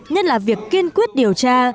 nhất là việc kiên quyết điều tra